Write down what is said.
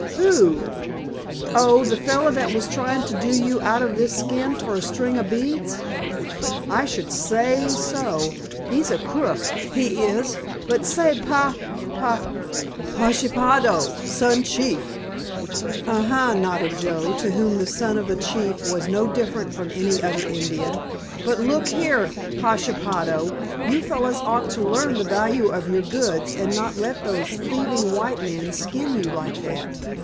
"Who? Oh, the feller that was tryin' to do you out of this skin for a string of beads? I should sa ay so. He's a crook, he is. But say, P—p——" "Pashepaho. Son chief." "Uh huh," nodded Joe, to whom the son of a chief was no different from any other Indian, "but look here, Pashepaho, you fellers ought to learn the value of your goods and not let those thieving white men skin you like that.